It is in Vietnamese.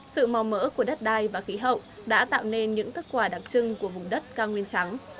sự mò mỡ của đất đai và khí hậu đã tạo nên những thất quả đặc trưng của vùng đất cao nguyên trắng